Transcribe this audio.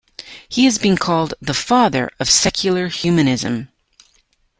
He has been called "the father of secular humanism".